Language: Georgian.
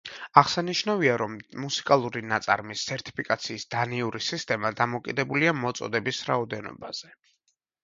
აღსანიშნავია, რომ მუსიკალური ნაწარმის სერთიფიკაციის დანიური სისტემა დამოკიდებულია მოწოდების რაოდენობაზე.